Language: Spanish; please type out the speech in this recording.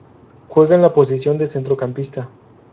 Juega en la posición de centrocampista.